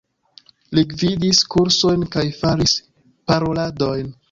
Li gvidis kursojn kaj faris paroladojn.